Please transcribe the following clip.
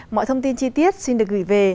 mọi thông tin chi tiết xin được gửi về